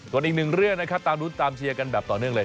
ส่วนอีกหนึ่งเรื่องนะครับตามรุ้นตามเชียร์กันแบบต่อเนื่องเลย